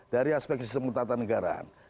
dari aspek sistem utama tanggeran